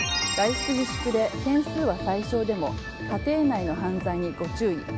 外出自粛で件数は最少でも家庭内の犯罪にご注意。